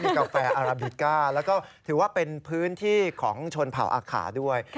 กาแฟอาราบิก้าแล้วก็ถือว่าเป็นพื้นที่ของชนเผ่าอาขาด้วย